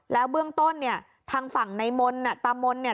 แล้วเบื้องต้นเนี่ยทางฝั่งในมนต์ตามนเนี่ย